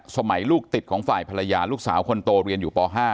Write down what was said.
สมัยลูกติดของฝ่ายภรรยาลูกสาวคนโตเรียนอยู่ป๕